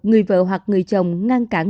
người vợ hoặc người chồng ngăn cản